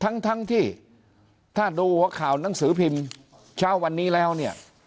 ทั้งทั้งที่ถ้าดูหัวข่าวหนังสือพิมพ์เช้าวันนี้แล้วเนี่ย